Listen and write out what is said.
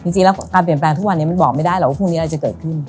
จริงแล้วการเปลี่ยนแปลงทุกวันนี้มันบอกไม่ได้หรอกว่าพรุ่งนี้อะไรจะเกิดขึ้น